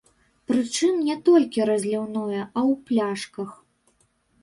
Прычым не толькі разліўное, а ў пляшках.